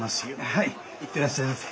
はい行ってらっしゃいませ。